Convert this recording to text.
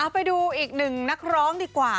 ไปดูอีกหนึ่งนักร้องดีกว่า